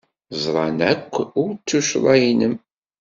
Ẓran akk ur d tuccḍa-nnem.